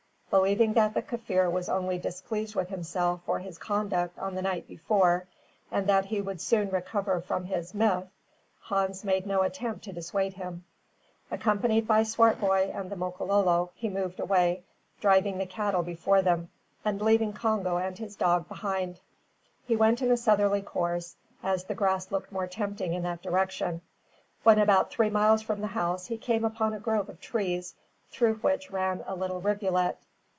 Believing that the Kaffir was only displeased with himself for his conduct on the night before, and that he would soon recover from his "miff," Hans made no attempt to dissuade him. Accompanied by Swartboy and the Makololo he moved away, driving the cattle before them, and leaving Congo and his dog behind. He went in a southerly course, as the grass looked more tempting in that direction. When about three miles from the house he came upon a grove of trees, through which ran a little rivulet.